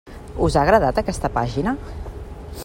Us ha agradat aquesta pàgina?